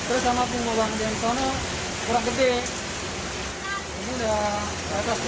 terus sama punggung bangunan di sana kurang gede